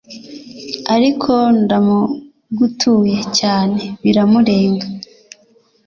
ariko ndamugutuye cyane biramurenga